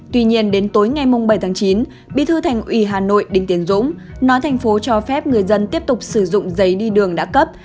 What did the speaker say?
tuy nhiên đến tối ngày bảy chín bí thư thành ủy hà nội đinh tiến dũng nói thành phố cho phép người dân tiếp tục sử dụng giấy đi đường đã cấp